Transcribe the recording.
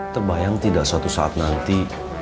terbayang tidak suatu saat nanti